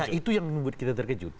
nah itu yang membuat kita terkejut